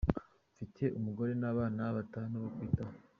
Mfite umugore n’abana batanu bo kwitaho.